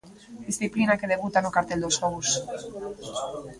Disciplina que debuta no cartel dos xogos.